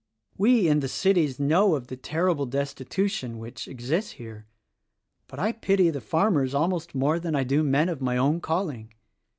We, in the cities, know of the terrible destitution which exists here; but I pity the farmers almost more than I do men of my own calling.